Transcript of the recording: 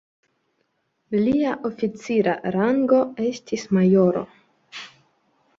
Lia oficira rango estis majoro.